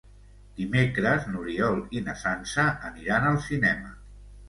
Dimecres n'Oriol i na Sança aniran al cinema.